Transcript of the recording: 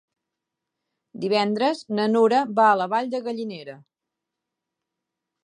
Divendres na Nura va a la Vall de Gallinera.